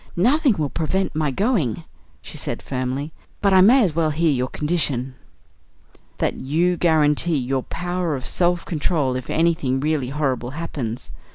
"Nothing will prevent my going," she said firmly; "but I may as well hear your condition." "That you guarantee your power of self control if anything really horrible happens.